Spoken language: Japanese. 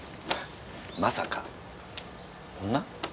まさか女？